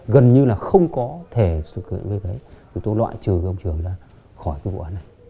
gần như là không có thể thực hiện như thế đấy chúng tôi loại trừ ông trường ra khỏi cái vụ án này